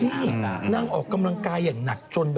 นี่นางออกกำลังกายอย่างหนักจน